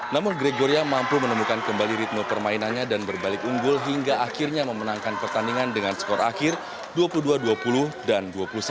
namun gregoria mampu menemukan kembali ritme permainannya dan berbalik unggul hingga akhirnya memenangkan pertandingan dengan skor akhir dua puluh dua dua puluh dan dua puluh satu enam belas